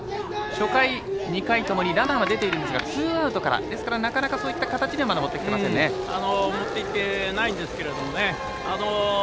初回、２回ともにランナーは出ていますがツーアウトからなかなかそういった形にはもってきていないんですけどね。